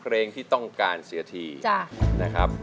แหละคุณภาพแหละคุณภาพ